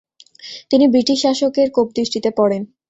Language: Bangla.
তিনি বৃটিশ শাসকের কোপদৃষ্টিতে পড়েন।